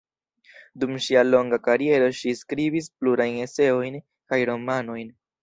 Dum ŝia longa kariero ŝi skribis plurajn eseojn kaj romanojn.